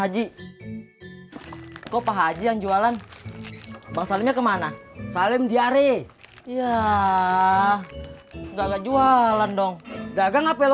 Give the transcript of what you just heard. haji kok pak haji yang jualan bangsa ini kemana salim diare iya gagal jualan dong dagang hp lo